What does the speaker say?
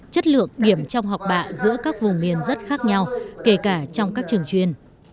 chất lượng điểm trong học bạ giữa các vùng miền rất khác nhau kể cả trong các trường chuyên